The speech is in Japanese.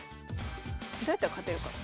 どうやったら勝てるかな。